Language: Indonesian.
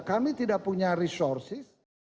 kami tidak punya resources